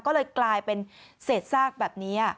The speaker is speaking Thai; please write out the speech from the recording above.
ก็เลยกลายเป็นเศษซากแบบนี้